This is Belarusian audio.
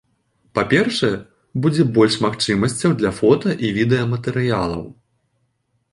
Па-першае, будзе больш магчымасцяў для фота- і відэаматэрыялаў.